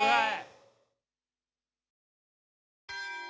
はい！